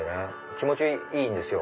気持ちいいんですよ